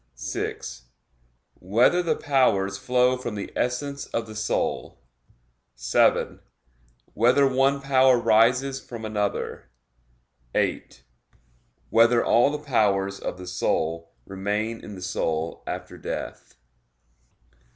(6) Whether the powers flow from the essence of the soul? (7) Whether one power rises from another? (8) Whether all the powers of the soul remain in the soul after death?